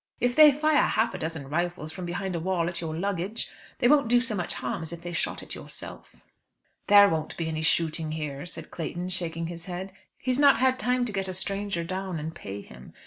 If they fire half a dozen rifles from behind a wall at your luggage, they won't do so much harm as if they shot at yourself." "There won't be any shooting here," said Clayton, shaking his head, "he's not had time to get a stranger down and pay him.